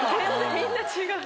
みんな違う。